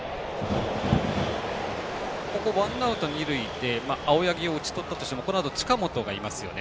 ワンアウト、二塁で青柳を打ち取ったとしてもこのあと近本がいますよね。